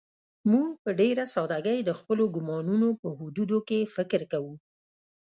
موږ په ډېره سادهګۍ د خپلو ګومانونو په حدودو کې فکر کوو.